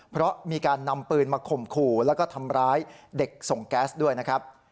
เพราะมีการนำปืนมาข่มขู่แล้วก็ทำร้ายเด็กส่งแก๊สด้วยนะครับ